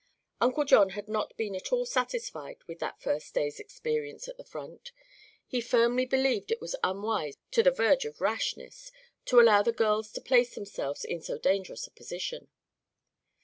Uncle John had not been at all satisfied with that first day's experience at the front. He firmly believed it was unwise, to the verge of rashness, to allow the girls to place themselves in so dangerous a position.